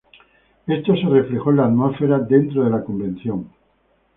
Esto se reflejó en la atmósfera dentro de la convención.